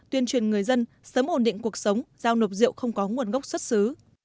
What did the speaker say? tuyên truyền người dân sớm ổn định cuộc sống giao nộp rượu không có nguồn gốc xuất xứ